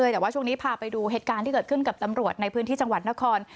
แต่ว่าช่วงนี้พาไปดูเหตุการณ์ที่เกิดขึ้นกับตำรวจในพื้นที่จังหวัดนคร